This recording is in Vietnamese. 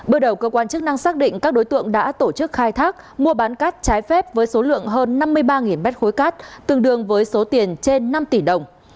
bước đầu cơ quan chức năng xác định các đối tượng đã tổ chức khai thác mua bán cát trái phép với số lượng hơn năm mươi ba mét khối cát tương đương với số tiền trên năm tỷ đồng